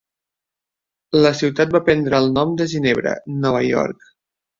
La ciutat va prendre el nom de Ginebra, Nova York.